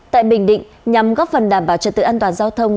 tại bình định nhằm góp phần đảm bảo trật tự an toàn giao thông